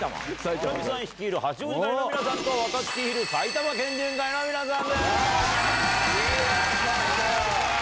ヒロミさん率いる八王子会の皆さんと、若槻率いる埼玉県人会の皆さんです。